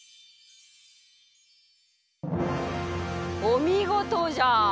おみごとじゃ！